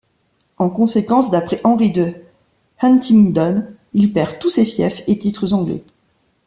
En conséquence, d'après Henri de Huntingdon, il perd tous ses fiefs et titres anglais.